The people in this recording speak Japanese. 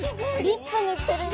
リップ塗ってる。